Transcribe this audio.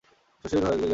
শশী ঘরে গিয়া বসিল।